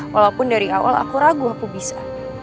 walaupun dari awal aku ragu aku bisa